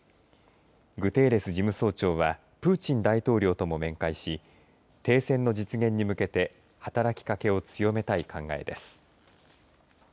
グテーレス事務総長はプーチン大統領とも面会し停戦の実現に向けて働きかけを強めたい考えです。